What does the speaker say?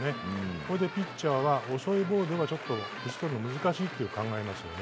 ここでピッチャーは遅いボールを打ち取るのが難しいと考えますよね。